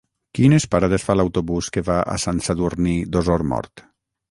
Quines parades fa l'autobús que va a Sant Sadurní d'Osormort?